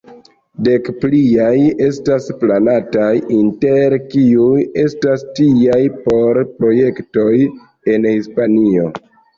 Dek pliaj estas planataj, inter kiuj estas tiaj por projektoj en Hispanio.